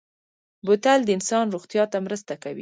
بوتل د انسان روغتیا ته مرسته کوي.